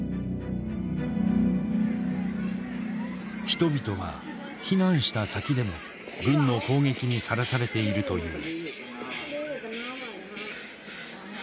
人々は避難した先でも軍の攻撃にさらされているという。